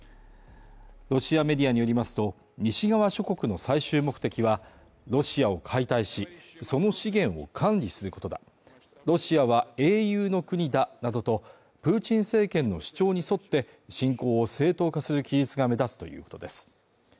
ロシアメディアによりますと西側諸国の最終目的はロシアを解体しその資源を管理することだロシアは英雄の国だなどとプーチン政権の主張に沿って侵攻を正当化する記述が目立つということです